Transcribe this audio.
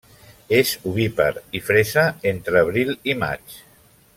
És ovípar i fresa entre abril i maig.